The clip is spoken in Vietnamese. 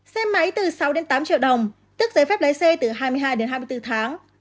xe máy từ sáu tám triệu đồng tức giấy phép lấy xe từ hai mươi hai hai mươi bốn tháng